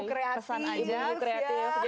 kesan iwi kreatif